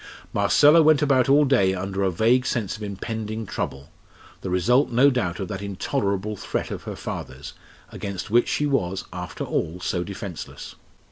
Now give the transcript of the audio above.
Marcella went about all day under a vague sense of impending trouble the result, no doubt, of that intolerable threat of her father's, against which she was, after all, so defenceless.